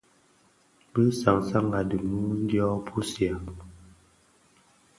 Bi san san a di mum dyō kpusiya.